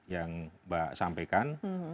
yang mbak sampaikan